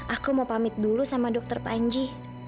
aku mau pamit dulu sama dokter panji